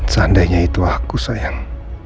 seandainya itu aku sayang